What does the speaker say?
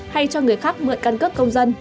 hay cho người khác mượn căn cước công dân